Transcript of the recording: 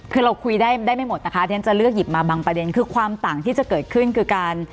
คือเราคุยได้ไม่หมดนะคะที่ฉันจะเลือกหยิบมาบางประเด็นคือความต่างที่จะเกิดขึ้นคือการ